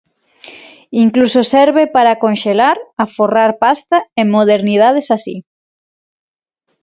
Incluso serve para conxelar, aforrar pasta e modernidades así.